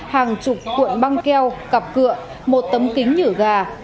hàng chục cuộn băng keo cặp cửa một tấm kính nhử gà